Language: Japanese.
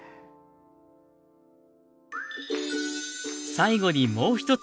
最後にもう一つ。